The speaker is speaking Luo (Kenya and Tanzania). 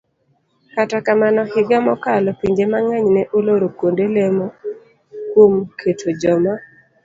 Kata kamano, higa mokalo, pinje mang'eny ne oloro kuonde lemo kuom keto joma